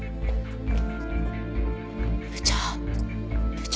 部長！